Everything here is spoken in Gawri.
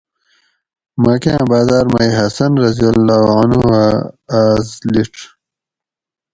مکاۤں باۤزاۤر مئ حسن رضی اللّٰہ عنہُ اۤ آۤس لِیڄ